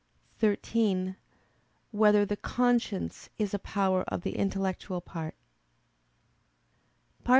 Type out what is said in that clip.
(13) Whether the conscience is a power of the intellectual part?